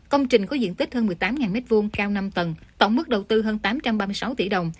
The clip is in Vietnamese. công trình có diện tích hơn một mươi tám m hai cao năm tầng tổng mức đầu tư hơn tám trăm ba mươi sáu tỷ đồng